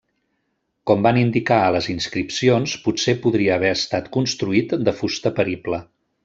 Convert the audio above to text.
Com van indicar a les inscripcions potser podria haver estat construït de fusta perible.